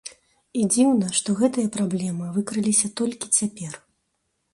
І дзіўна, што гэтыя праблемы выкрыліся толькі цяпер.